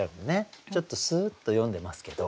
ちょっとすっと読んでますけど。